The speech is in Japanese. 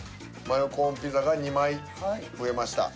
マヨコーンピザが２枚増えました。